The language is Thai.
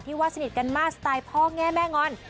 ว่าสนิทกันมากสไตล์พ่อแง่แม่งอน